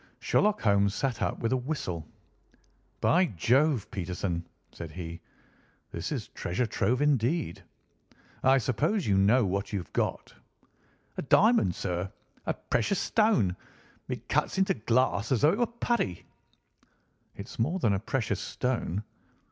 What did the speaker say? Sherlock Holmes sat up with a whistle. "By Jove, Peterson!" said he, "this is treasure trove indeed. I suppose you know what you have got?" "A diamond, sir? A precious stone. It cuts into glass as though it were putty." "It's more than a precious stone.